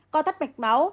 co thắt mạch máu